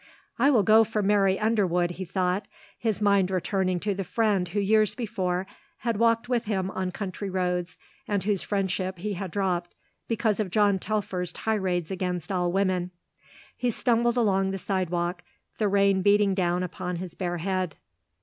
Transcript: "I will go for Mary Underwood," he thought, his mind returning to the friend who years before had walked with him on country roads and whose friendship he had dropped because of John Telfer's tirades against all women. He stumbled along the sidewalk, the rain beating down upon his bare head.